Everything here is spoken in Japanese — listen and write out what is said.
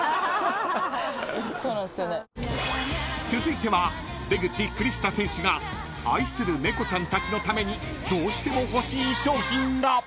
［続いては出口クリスタ選手が愛する猫ちゃんたちのためにどうしても欲しい商品が］